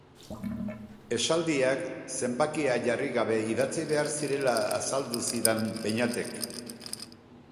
Esaldiak zenbakia jarri gabe idatzi behar zirela azaldu zidan Beñatek.